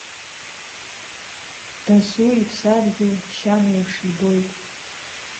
Дасу иԥсадгьыл шьам еиԥш ибоит.